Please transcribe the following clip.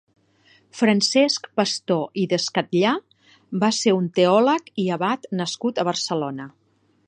Francesc Pastor i Descatllar va ser un teòleg i abat nascut a Barcelona.